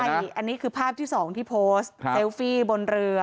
ใช่อันนี้คือภาพที่๒ที่โพสต์เซลฟี่บนเรือ